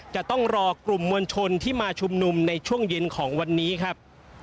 จะต้องรอกลุ่มมวลชนที่มาชุมนุมในช่วงเย็นของวันนี้ครับ